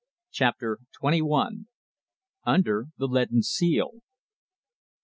CHAPTER TWENTY ONE. UNDER THE LEADEN SEAL.